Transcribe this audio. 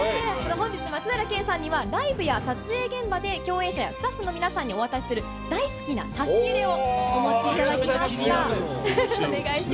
本日、松平健さんにはライブや撮影現場で共演者やスタッフの皆さんにお渡しする大好きな差し入れをお持ちいただきました。